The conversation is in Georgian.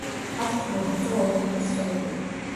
აქვთ მოგრძო-ოვალური სხეული.